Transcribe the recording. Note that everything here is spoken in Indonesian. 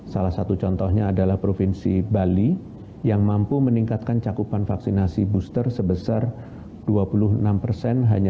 salah satu contohnya adalah provinsi bali yang mampu meningkatkan cakupan vaksinasi booster sebesar dua puluh enam persen